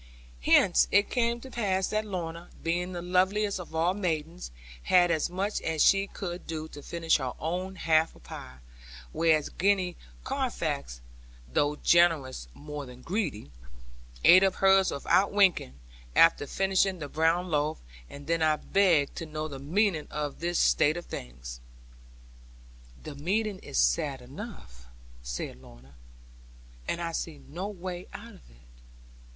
Hence it came to pass that Lorna, being the loveliest of all maidens, had as much as she could do to finish her own half of pie; whereas Gwenny Carfax (though generous more than greedy), ate up hers without winking, after finishing the brown loaf; and then I begged to know the meaning of this state of things. 'The meaning is sad enough,' said Lorna; 'and I see no way out of it.